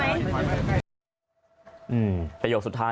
เสียงของหนึ่งในผู้ต้องหานะครับ